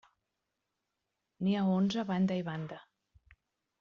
N'hi ha onze a banda i banda.